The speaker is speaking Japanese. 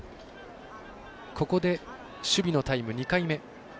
ここで守備のタイム、２回目。